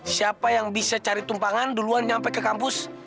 siapa yang bisa cari tumpangan duluan nyampe ke kampus